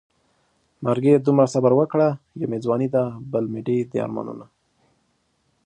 مرګيه دومره صبر وکړه يو مې ځواني ده بل مې ډېر دي ارمانونه